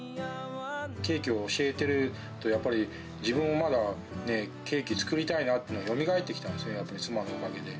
ケーキを教えてると、やっぱり自分もまだね、ケーキ作りたいなっていうのがよみがえってきたんですよね、妻のおかげで。